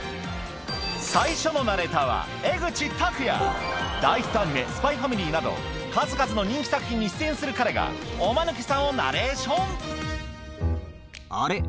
最初のナレーターは大ヒットアニメ『ＳＰＹ×ＦＡＭＩＬＹ』など数々の人気作品に出演する彼がおマヌケさんをナレーションあれ？